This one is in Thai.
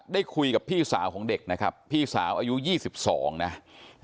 ได้คุยกับพี่สาวของเด็กนะครับพี่สาวอายุยี่สิบสองนะอ่า